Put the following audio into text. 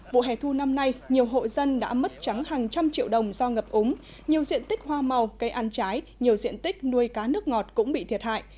vụ hè thu năm nay nhiều hộ dân đã mất trắng hàng trăm triệu đồng do ngập úng nhiều diện tích hoa màu cây ăn trái nhiều diện tích nuôi cá nước ngọt cũng bị thiệt hại